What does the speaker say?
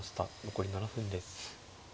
残り７分です。